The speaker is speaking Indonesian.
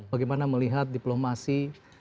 bagaimana melihat diplomasi